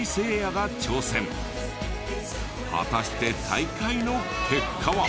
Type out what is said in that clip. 果たして大会の結果は。